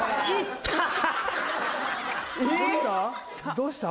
どうした？